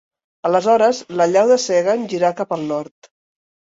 Aleshores, la llau de Segan gira cap al nord.